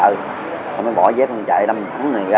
rồi em bỏ dép em chạy đâm ẩm này ra